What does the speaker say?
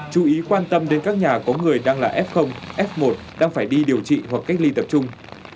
chú ý quan tâm đến các nhà có người đang là f f một đang phải đi điều trị hoặc cách ly tập trung